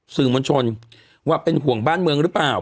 สื่อมวลชนว่าเป็นห่วงบ้านเมืองหรือเปล่า